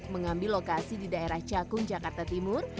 mengambil lokasi di daerah cakung jakarta timur